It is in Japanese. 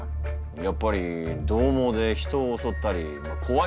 やっぱりどう猛で人を襲ったり怖い存在だよな。